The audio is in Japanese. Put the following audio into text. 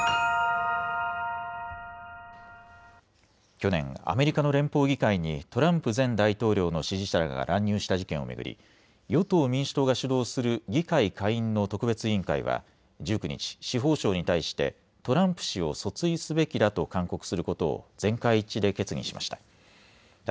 去年、アメリカの連邦議会にトランプ前大統領の支持者らが乱入した事件を巡り与党・民主党が主導する議会下院の特別委員会は１９日、司法省に対してトランプ氏を訴追すべきだと勧告することを全会一致で決議しました。